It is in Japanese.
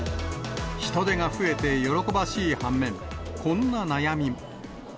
人出が増えて喜ばしい反面、こんな悩みも。